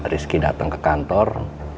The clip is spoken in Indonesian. rizky dateng ke kantor